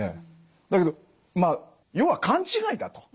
だけどまあ要は勘違いだと。